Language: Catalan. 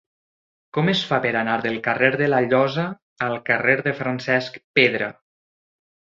Com es fa per anar del carrer de la Llosa al carrer de Francesc Pedra?